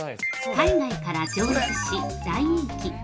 ◆海外から上陸し、大人気！